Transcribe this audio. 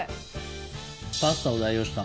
パスタを代用した。